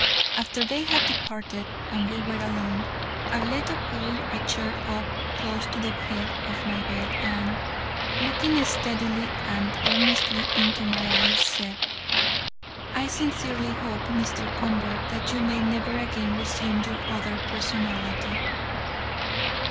After they had departed, and we were alone, Arletta pulled a chair up close to the head of my bed, and, looking steadily and earnestly into my eyes, said: "I sincerely hope, Mr. Convert, that you may never again resume your other personality."